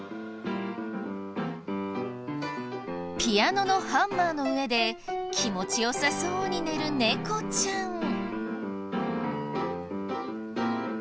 ピアノのハンマーの上で気持ちよさそうに寝る猫ちゃん。